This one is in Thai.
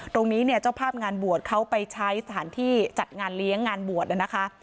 ตรงนี้เนี่ยเจ้าภาพงานบวชเขาไปใช้สถานที่จัดงานเลี้ยงงานบวชนะคะ